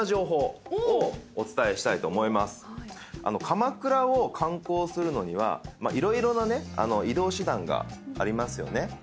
鎌倉を観光するのには色々な移動手段がありますよね。